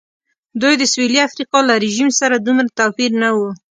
دوی د سوېلي افریقا له رژیم سره دومره توپیر نه و.